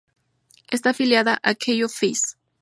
Está afiliada a Kenyu-Office.